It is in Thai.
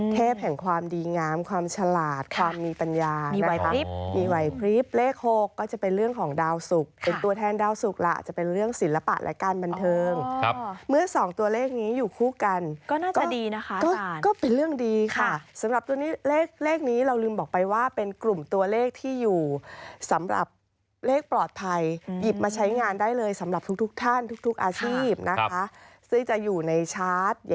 ซึ่งมาใช้งานได้เลยสำหรับทุกท่านทุกอาชีพนะคะซึ่งจะอยู่ในชาร์จ